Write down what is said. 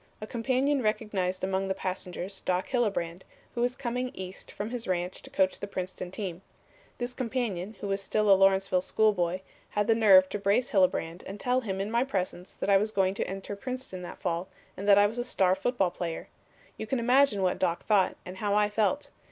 A companion recognized among the passengers Doc Hillebrand, who was coming East from his ranch to coach the Princeton team. This companion who was still a Lawrenceville schoolboy, had the nerve to brace Hillebrand and tell him in my presence that I was going to enter Princeton that fall and that I was a star football player. You can imagine what Doc thought, and how I felt.